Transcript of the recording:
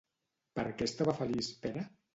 Per què estava feliç Pere?